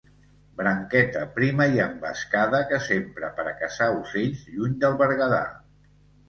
Branqueta prima i envescada que s'empra per a caçar ocells lluny del Berguedà.